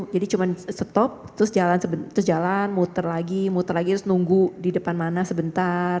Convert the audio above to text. jadi cuma stop terus jalan muter lagi muter lagi terus nunggu di depan mana sebentar